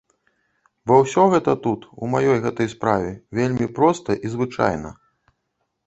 Бо ўсё гэта тут, у маёй гэтай справе, вельмі проста і звычайна.